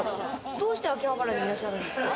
どうして秋葉原にいらっしゃるんですか？